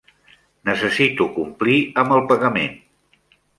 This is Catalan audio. Necessito complir amb el pagament.